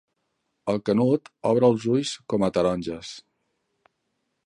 El canut obre els ulls com a taronges.